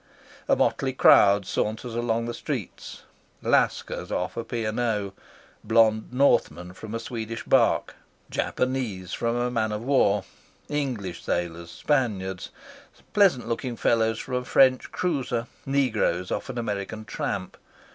A motley crowd saunters along the streets Lascars off a P. and O., blond Northmen from a Swedish barque, Japanese from a man of war, English sailors, Spaniards, pleasant looking fellows from a French cruiser, negroes off an American tramp.